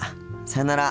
さよなら。